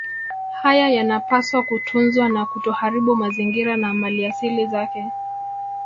Haya yanapaswa kutunzwa na kutoharibu mazingira na maliasili zake